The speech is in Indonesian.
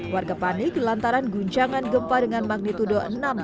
warga panik lantaran guncangan gempa dengan magnitudo enam satu